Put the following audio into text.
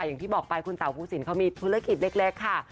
อย่างที่บอกไปคุณเต่าภูสินเขามีธุรกิจเล็กค่ะ